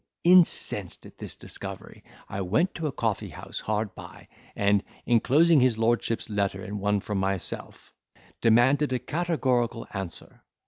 Incensed at this discovery, I went to a coffee house hard by, and, inclosing his lordship's letter in one from myself, demanded a categorical answer.